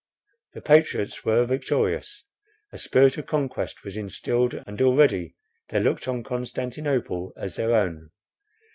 The patriots were victorious; a spirit of conquest was instilled; and already they looked on Constantinople as their own.